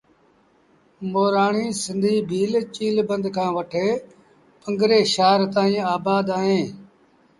مورآڻيٚ سنڌيٚ ڀيٚل چيٚل بند کآݩ وٺي پنگري شآهر تائيٚݩ آبآد اوهيݩ